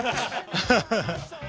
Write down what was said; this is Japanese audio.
ハハハハ。